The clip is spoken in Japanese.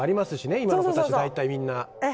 今の子たち、大体みんな。